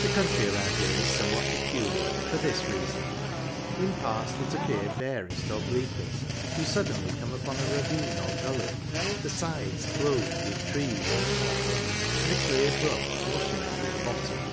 The country around here is somewhat pecu liar, for this reason : in parts that appear barest or bleakest, you suddenly come upon a ravine or gully, the sides clothed with trees and copse, and a clear brook washing through the bottom.